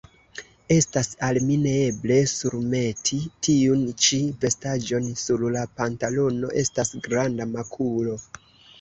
Estas al mi neeble surmeti tiun ĉi vestaĵon; sur la pantalono estas granda makulo.